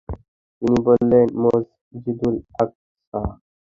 তিনি বললেন, মসজিদুল আকসা।